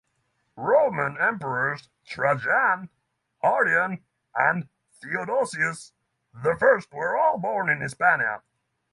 Roman emperors Trajan, Hadrian, and Theodosius the First were all born in Hispania.